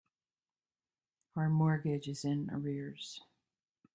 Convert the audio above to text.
Our mortgage is in arrears.